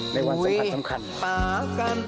ในวันสำคัญ